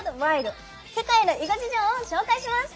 世界の囲碁事情を紹介します！